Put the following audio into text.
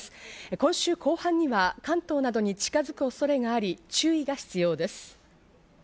今週後半には関東などに近づく恐れがあり、注意が必要です。